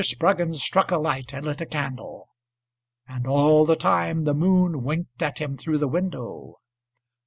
Spruggins struck a light and lit a candle, And all the time the moon winked at him through the window.